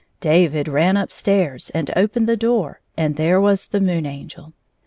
David ran up stairs and opened the door, and there was the Moon Angel.